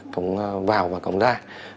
cổng vào và cổng ra